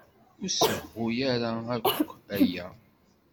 Ur sehhu ara akk aya.